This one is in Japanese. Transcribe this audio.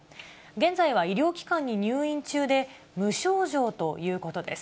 現在は医療機関に入院中で、無症状ということです。